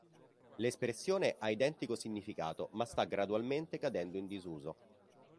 L'espressione ha identico significato, ma sta gradualmente cadendo in disuso.